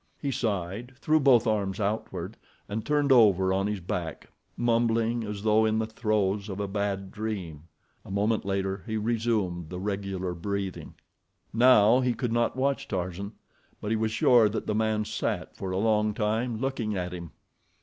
He sighed, threw both arms outward, and turned over on his back mumbling as though in the throes of a bad dream. A moment later he resumed the regular breathing. Now he could not watch Tarzan, but he was sure that the man sat for a long time looking at him.